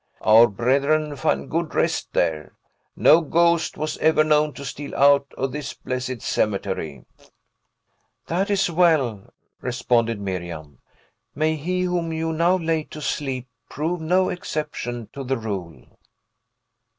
Our brethren find good rest there. No ghost was ever known to steal out of this blessed cemetery." "That is well," responded Miriam; "may he whom you now lay to sleep prove no exception to the rule!"